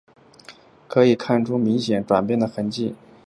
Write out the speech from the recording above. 可以看出明显转变的痕迹